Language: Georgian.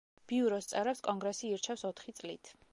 ბიუროს წევრებს კონგრესი ირჩევს ოთხი წლით.